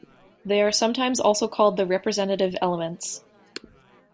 They are sometimes also called the representative elements.